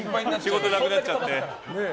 仕事がなくなっちゃって。